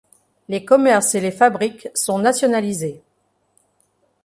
Les commerces et les fabriques sont nationalisés.